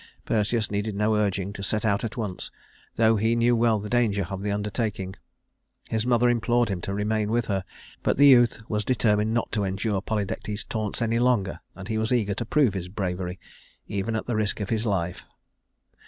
Perseus needed no urging to set out at once, though he well knew the danger of the undertaking. His mother implored him to remain with her, but the youth was determined not to endure Polydectes's taunts any longer, and he was eager to prove his bravery, even at the risk of his life.